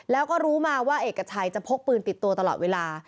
แล้วก็รู้มาว่าเอกชัยจะพกปืนติดตัวตลอดเวลา